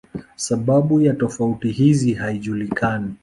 Sababu ya tofauti hizi haijulikani.